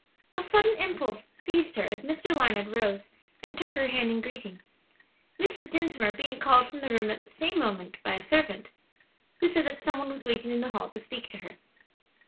A sudden impulse seized her as Mr. Larned rose and took her hand in greeting, Mrs. Dinsmore being called from the room at the same moment by a servant, who said that some one was waiting in the hall to speak to her.